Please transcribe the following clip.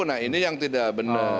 nah ini yang tidak benar